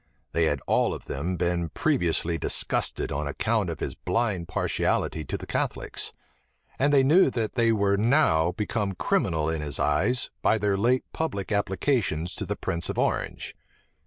They had all of them been previously disgusted on account of his blind partiality to the Catholics; and they knew that they were now become criminal in his eyes by their late public applications to the prince of Orange.